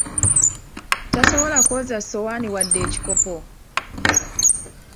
Tasobola kwoza ssowaani oba ekikopo!